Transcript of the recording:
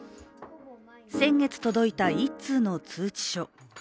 先月届いた１通の通知書。